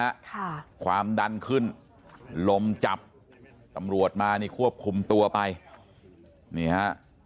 ค่ะความดันขึ้นลมจับตำรวจมานี่ควบคุมตัวไปนี่ฮะ